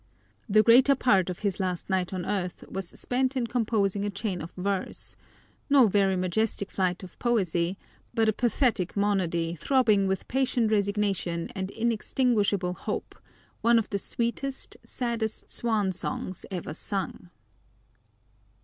The greater part of his last night on earth was spent in composing a chain of verse; no very majestic flight of poesy, but a pathetic monody throbbing with patient resignation and inextinguishable hope, one of the sweetest, saddest swan songs ever sung.